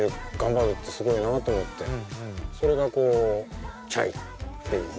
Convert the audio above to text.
それがこうＣＨＡＩっていうね。